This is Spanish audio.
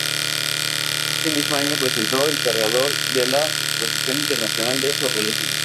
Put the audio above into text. Ese mismo año presentó "El Cargador" en la Exposición Internacional de Surrealismo.